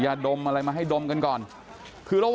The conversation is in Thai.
อยากจะเห็นว่าลูกเป็นยังไงอยากจะเห็นว่าลูกเป็นยังไง